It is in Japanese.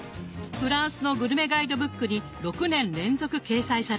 フランスのグルメガイドブックに６年連続掲載されています。